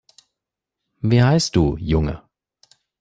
Wie heißt du, Junge?